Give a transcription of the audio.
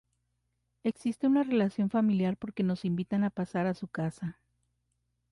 Existe una relación familiar porque nos invitan a pasar a su casa.